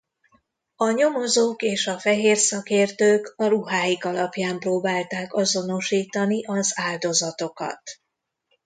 A nyomozók és a fehér szakértők a ruháik alapján próbálták azonosítani az áldozatokat.